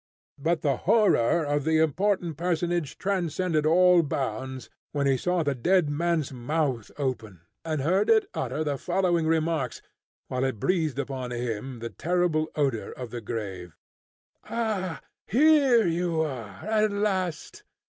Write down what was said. But the horror of the important personage transcended all bounds when he saw the dead man's mouth open, and heard it utter the following remarks, while it breathed upon him the terrible odour of the grave: "Ah, here you are at last!